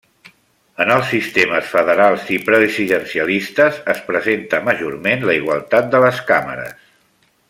En els sistemes federals i presidencialistes es presenta majorment la igualtat de les càmeres.